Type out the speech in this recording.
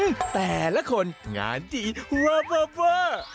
อื้อแต่ละคนงานดีเวอร์